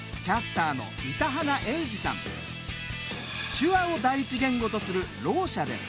手話を第一言語とするろう者です。